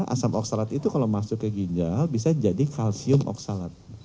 asam oksalat itu kalau masuk ke ginjal bisa jadi kalsium oksalat